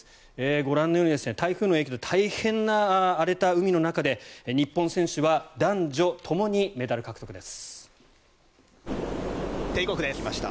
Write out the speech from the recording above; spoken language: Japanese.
ご覧のように台風の影響で大変な荒れた海の中で日本選手は男女ともにメダル獲得です。